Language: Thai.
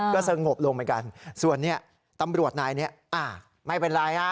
ก็สงบลงเหมือนกันส่วนเนี่ยตำรวจนายนี้อ่าไม่เป็นไรฮะ